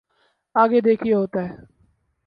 آگے دیکھئے ہوتا ہے۔